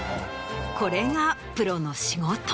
これがプロの仕事。